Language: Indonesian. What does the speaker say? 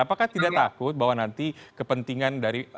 apakah tidak takut bahwa nanti kepentingan dari